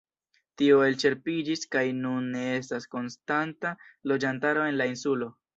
Tio elĉerpiĝis kaj nun ne estas konstanta loĝantaro en la insulo.